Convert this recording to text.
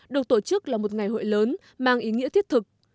được tổ chức là một ngày hội lớn mang ý nghĩa thiết thực